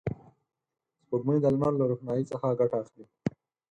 سپوږمۍ د لمر له روښنایي څخه ګټه اخلي